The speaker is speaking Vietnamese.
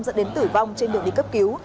dẫn đến tử vong trên đường đi cấp cứu